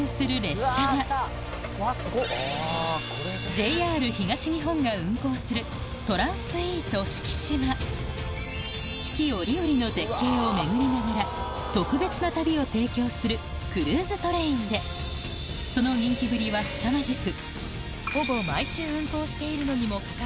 ＪＲ東日本が運行するを巡りながら特別な旅を提供するクルーズトレインでその人気ぶりはすさまじく